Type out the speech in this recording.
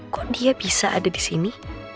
kok dia bisa ada di sini